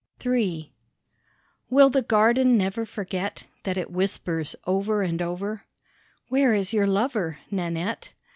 III Will the garden never forget That it whispers over and over, "Where is your lover, Nanette?